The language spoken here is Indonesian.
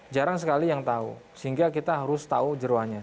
jarang sekali yang tahu sehingga kita harus tahu jeruannya